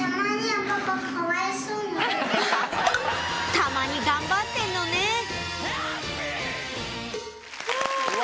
たまに頑張ってんのねうわ